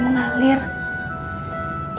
imbajinasi mereka itu tidak akan berjalan